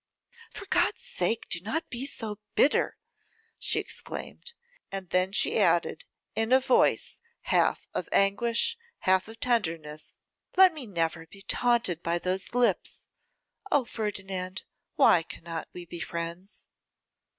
'For God's sake, do not be so bitter!' she exclaimed; and then she added, in a voice half of anguish, half of tenderness, 'Let me never be taunted by those lips! O Ferdinand, why cannot we be friends?